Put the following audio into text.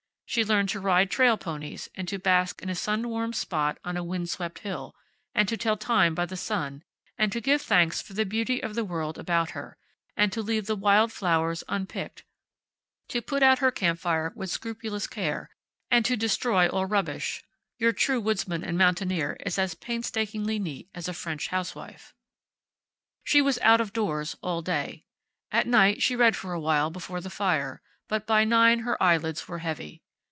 She learned to ride trail ponies, and to bask in a sun warmed spot on a wind swept hill, and to tell time by the sun, and to give thanks for the beauty of the world about her, and to leave the wild flowers unpicked, to put out her campfire with scrupulous care, and to destroy all rubbish (your true woodsman and mountaineer is as painstakingly neat as a French housewife). She was out of doors all day. At night she read for a while before the fire, but by nine her eyelids were heavy.